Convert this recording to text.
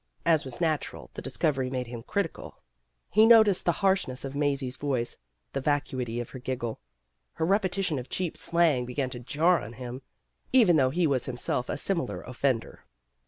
As was natural, the discovery made him critical. He noticed the harshness of Mazie 's voice, the vacuity of her giggle. Her repetition of cheap slang began to jar on him, even though he was himself a similar offender.